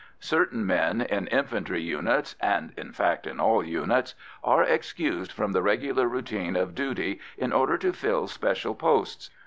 Certain men in infantry units and in fact in all units are excused from the regular routine of duty in order to fill special posts.